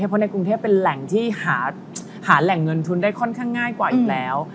เพราะในกรุงเทพเป็นแหล่งที่หาแหล่งเงินทุนได้ค่อนข้างง่ายกว่าอีกแล้ว